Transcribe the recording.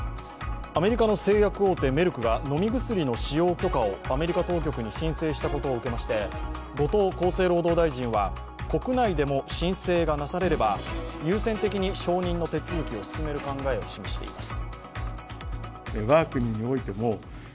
アメリカの製薬大手メルクが飲み薬の使用許可をアメリカ当局に申請したことを受けまして後藤厚生労働大臣は、国内でも申請がなされれば優先的に承認の手続を進める考えを示しています。